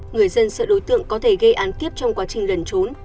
người dân sợ đối tượng có thể gây án tiếp trong quá trình lần trốn